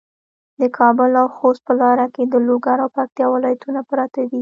د کابل او خوست په لاره کې د لوګر او پکتیا ولایتونه پراته دي.